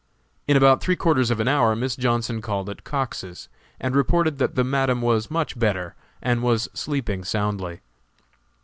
In about three quarters of an hour Miss Johnson called at Cox's, and reported that the Madam was much better, and was sleeping soundly.